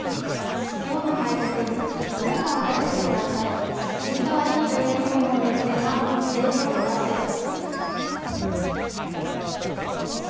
今日の対局村川大介九段対藤沢里菜女流本因坊の一戦はＡブロックからです。